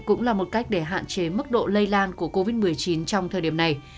cũng là một cách để hạn chế mức độ lây lan của covid một mươi chín trong thời điểm này